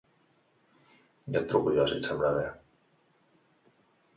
Ja el truco jo, si et sembla bé.